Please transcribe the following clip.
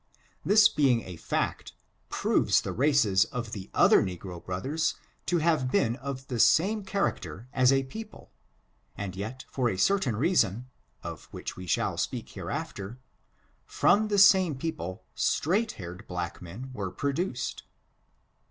This being a fact, proves the races of the other negro brothers to have been of the same character as a peo ple, and yet for a certain reason, of which we shall speak hereafter, from the same people straight haired black men were produced.